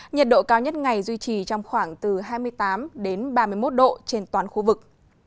nhiệt độ cao nhất ngày duy trì trong khoảng từ hai mươi tám ba mươi một độ trên toàn khu vực